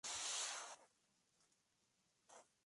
Unamuno nació en Guayaquil.